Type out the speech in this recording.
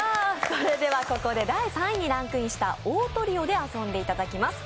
それではここで第３位にランクインしたオートリオで遊んでいただきます。